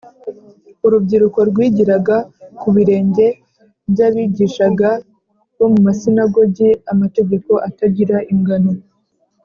. Urubyiruko rwigiraga ku birenge by’abigisha bo mu ma sinagogi amategeko atagira ingano